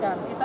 dan kita juga